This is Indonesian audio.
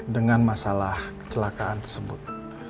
dengan masalah kecelakaan tersebut